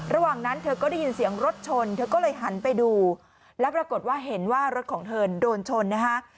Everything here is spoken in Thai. ระหว่างนั้นเธอก็ได้ยินเสียงรถชนเธอก็เลยหันไปดูแล้วปรากฏว่าเห็นว่ารถของเธอโดนชนนะฮะ